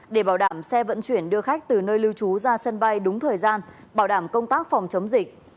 để bảo đảm xe vận chuyển đưa khách từ nơi lưu trú ra sân bay đúng thời gian bảo đảm công tác phòng chống dịch